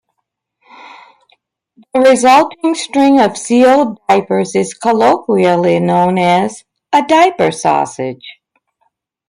The resulting string of sealed diapers is colloquially known as a "diaper sausage".